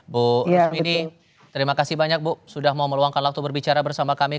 bu rismini terima kasih banyak bu sudah mau meluangkan waktu berbicara bersama kami